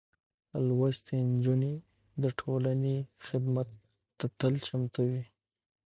لوستې نجونې د ټولنې خدمت ته تل چمتو وي.